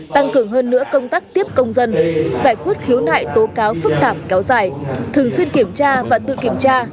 tăng cường hơn nữa công tác tiếp công dân giải quyết khiếu nại tố cáo phức tạp kéo dài thường xuyên kiểm tra và tự kiểm tra